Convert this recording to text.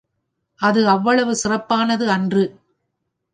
அது அவ்வளவு சிறப்பானது அன்று.